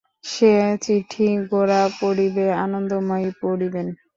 সে চিঠি গোরা পড়িবে, আনন্দময়ী পড়িবেন।